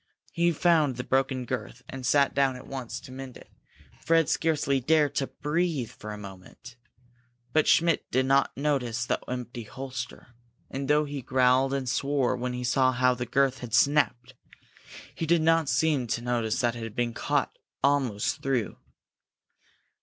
He found the broken girth, and sat down at once to mend it. Fred scarcely dared to breathe for a moment. But Schmidt did not notice the empty holster, and though he growled and swore when he saw how the girth had snapped, he did not seem to notice that it had been cut almost through.